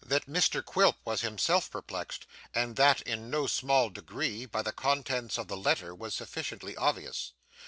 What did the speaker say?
That Mr Quilp was himself perplexed, and that in no small degree, by the contents of the letter, was sufficiently obvious.